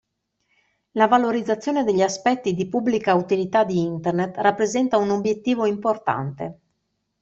La valorizzazione degli aspetti di pubblica utilità di Internet rappresenta un obiettivo importante.